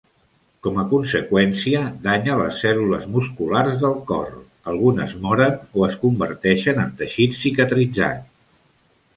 Com a conseqüència, danya les cèl·lules musculars del cor: algunes moren o es converteixen en teixit cicatritzat.